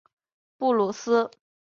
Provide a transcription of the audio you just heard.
布鲁斯。